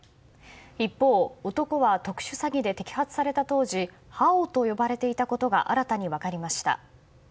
一方、男は特殊詐欺で摘発された当時ハオと呼ばれていたことが新たに分かりました。